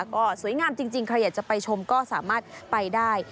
ก็สวยงามจริงใครอยากจะไปชมก็สามารถไปได้